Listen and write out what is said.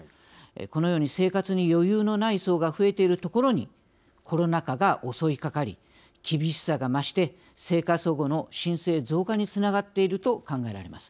このように生活に余裕のない層が増えているところにコロナ禍が襲いかかり厳しさが増して生活保護の申請増加につながっていると考えられます。